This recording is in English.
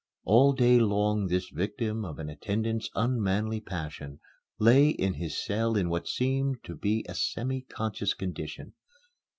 All day long this victim of an attendant's unmanly passion lay in his cell in what seemed to be a semi conscious condition.